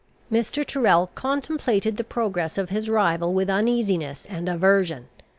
Mr. Tyrrel contemplated the progress of his rival with uneasiness and aversion.